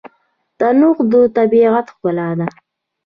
تنوع د طبیعت ښکلا ده.